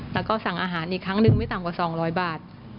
แล้วก็สั่งอาหารอีกครั้งหนึ่งไม่ต่ำกว่า๒๐๐บาท